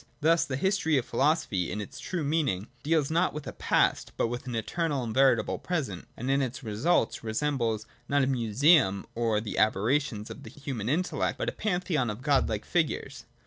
Thus th history of philosophy, in its true meaning, deals not with past, but with an eternal and veritable present : and, in it results, resembles not a museum of the aberrations of th human intellect, but a Pantheon of Godlike figures.